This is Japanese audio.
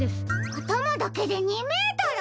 あたまだけで２メートル！？